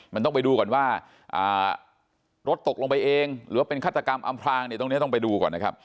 มันต้องไปดูก่อนว่ารถตกลงไปเองหรือเป็นฆาตกรรมอำพลางตรงนี้ต้องไปดูก่อน